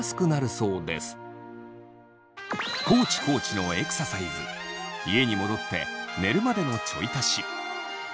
コーチのエクササイズ家に戻って寝るまでのちょい足し。